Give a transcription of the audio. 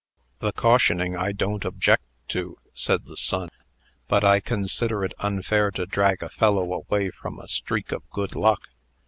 "The cautioning I don't object to," said the son; "but I consider it unfair to drag a fellow away from a streak of good luck.